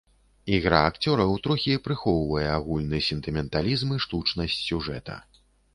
Ігра акцёраў трохі прыхоўвае агульны сентыменталізм і штучнасць сюжэта.